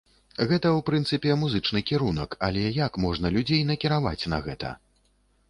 Гэта ў прынцыпе музычны кірунак, але як можна людзей накіраваць на гэта?